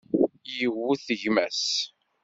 Yewwet gma-s.